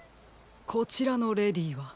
こちらのレディーは？